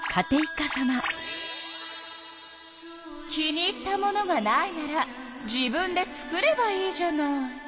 気に入ったものがないなら自分で作ればいいじゃない。